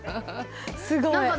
すごい。